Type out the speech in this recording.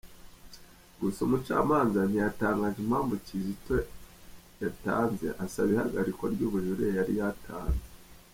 Gusa umucamanza ntiyatangaje impamvu Kizito yatanze asaba ihagarikwa ry'ubujurire yari yatanze.